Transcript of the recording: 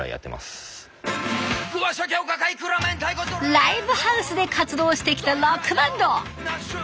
ライブハウスで活動してきたロックバンド。